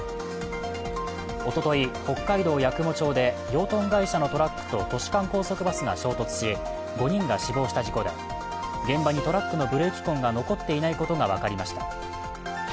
おととい、北海道八雲町で養豚会社のトラックと都市間高速バスが衝突し、５人が死亡した事故で現場にトラックのブレーキ痕が残っていないことが分かりました。